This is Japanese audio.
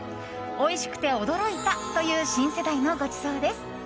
おいしくて驚いたという新世代のごちそうです。